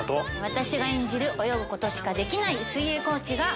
私が演じる泳ぐことしかできない水泳コーチが。